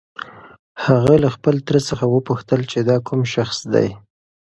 هغه له خپل تره څخه وپوښتل چې دا کوم شخص دی؟